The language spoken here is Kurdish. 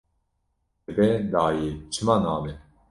Dibe, dayê, çima nabe